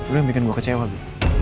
lo yang bikin gue kecewa gitu